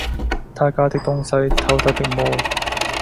他家的東西，偷得的麼？